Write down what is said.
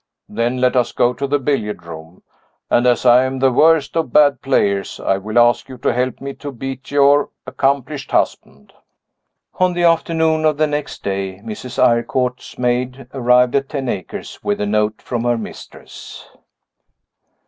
Then let us go to the billiard room; and as I am the worst of bad players, I will ask you to help me to beat your accomplished husband." On the afternoon of the next day, Mrs. Eyrecourt's maid arrived at Ten Acres with a note from her mistress.